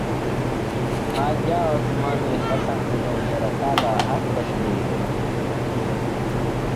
او اِیں کتاب تورات کُوں نھیں ڄاݨدے